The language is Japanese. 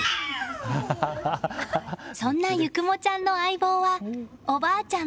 そんな結雲ちゃんの相棒はおばあちゃん